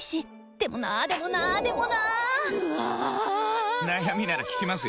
でもなーでもなーでもなーぬあぁぁぁー！！！悩みなら聞きますよ。